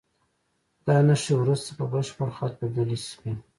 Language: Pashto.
دا نښې وروسته په بشپړ خط بدلې شوې.